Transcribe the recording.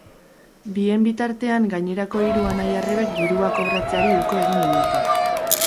Bien bitartean, gainerako hiru anai-arrebek dirua kobratzeari uko egin diote.